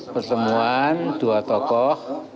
pertemuan dua tokoh